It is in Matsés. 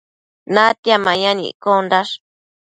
natia mayan iccondash